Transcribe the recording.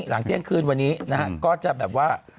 หลังเที่ยงคืนวันนี้นะฮะก็จะแบบว่า